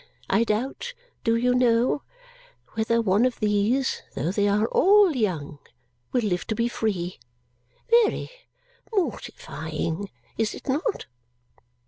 I doubt, do you know, whether one of these, though they are all young, will live to be free! Ve ry mortifying, is it not?"